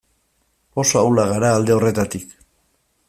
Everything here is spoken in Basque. Oso ahulak gara alde horretatik.